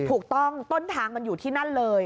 ถูกต้องต้นทางมันอยู่ที่นั่นเลย